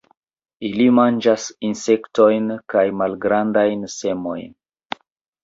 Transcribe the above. Ili manĝas insektojn kaj malgrandajn semojn.